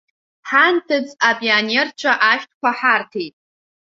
Ҳанҭыҵ апионерцәа ашәҭқәа ҳарҭеит.